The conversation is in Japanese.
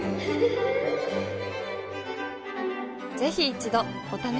ぜひ一度お試しを。